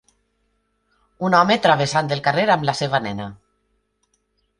Un home travessant el carrer amb la seva nena.